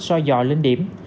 so dò lên điểm